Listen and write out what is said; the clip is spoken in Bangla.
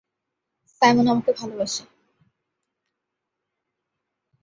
সাইমন আমাকে ভালোবাসে!